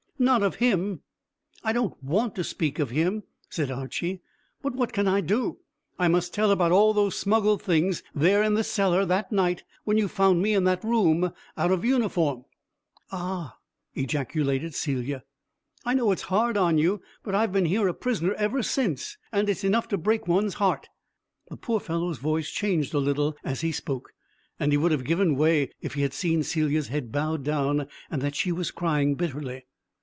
"Not of him." "I don't want to speak of him," said Archy, "but what can I do? I must tell about all those smuggled things there in the cellar that night when you found me in that room out of uniform." "Ah!" ejaculated Celia. "I know it's hard on you, but I've been here a prisoner ever since, and it's enough to break one's heart." The poor fellow's voice changed a little as he spoke, and he would have given way if he had seen Celia's head bowed down, and that she was crying bitterly.